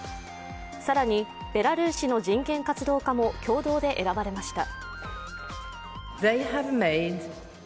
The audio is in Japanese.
更に、ベラルーシの人権活動家も共同で選ばれました。